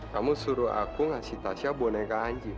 kamu suruh aku ngasih tasya boneka anjing